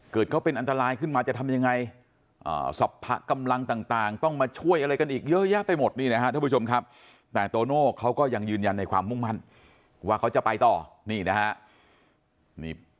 เกิดเขาเป็นอันตรายขึ้นมาจะทำยังไงสรรพกำลังต่างต้องมาช่วยอะไรกันอีกเยอะแยะไปหมดนี่นะครับท่านผู้ชมครับแต่โตโน่เขาก็ยังยืนยันในความมุ่งมั่นว่าเขาจะไปต่อนี่นะฮะ